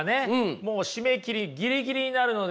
もう締め切りギリギリになるのでね。